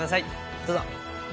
どうぞ。